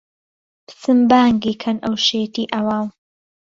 پچن بانگی کەن ئهو شێتی عهوام